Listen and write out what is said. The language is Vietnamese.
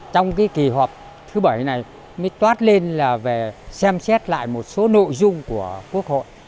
trong kỳ họp thứ bảy này mới toát lên là về xem xét lại một số nội dung của quốc hội